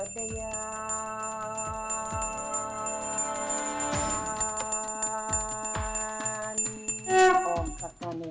โดยยาน